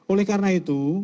oleh karena itu